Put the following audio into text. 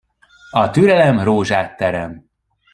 A türelem rózsát terem.